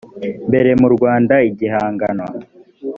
mbere mu rwanda igihangano